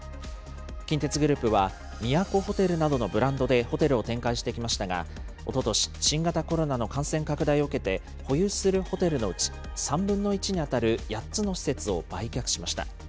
近鉄グループは、都ホテルなどのブランドで、ホテルを展開してきましたが、おととし、新型コロナの感染拡大を受けて保有するホテルのうち、３分の１に当たる８つの施設を売却しました。